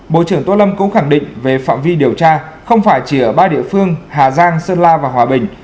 bộ trưởng tô lâm cũng khẳng định về phạm vi điều tra không phải chỉ ở ba địa phương hà giang sơn la và hòa bình